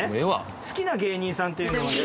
好きな芸人さんっていうのは。